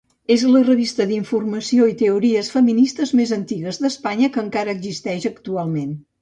És la revista d'informació i teories feministes més antiga d'Espanya que encara existeixi actualment.